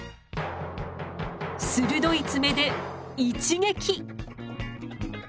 鋭い爪で一撃！